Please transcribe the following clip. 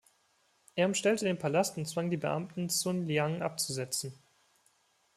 Er umstellte den Palast und zwang die Beamten, Sun Liang abzusetzen.